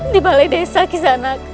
di balai desa kisah anak